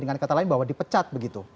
dengan kata lain bahwa dipecat begitu